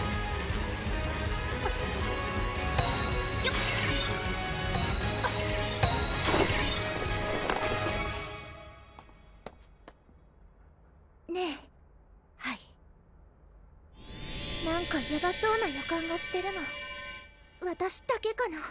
よっ！ねぇはいなんかやばそうな予感がしてるのわたしだけかな？